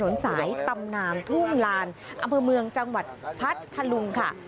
ถนนสายตำนานทุ่งลานอำเภอเมืองจังหวัดพัทธลุงค่ะ